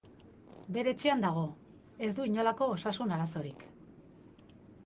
Bere etxean dago, ez du inolako osasun arazorik.